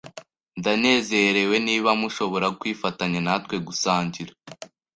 Ndanezerewe niba mushobora kwifatanya natwe gusangira.